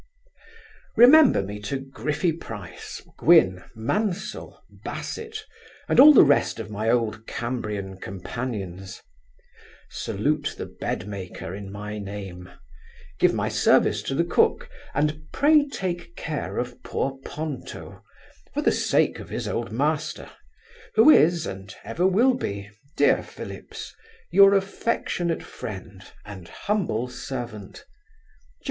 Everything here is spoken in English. Remember me to Griffy Price, Gwyn, Mansel, Basset, and all the rest of my old Cambrian companions. Salute the bedmaker in my name give my service to the cook, and pray take care of poor Ponto, for the sake of his old master, who is, and ever will be, Dear Phillips, Your affectionate friend, and humble servant, JER.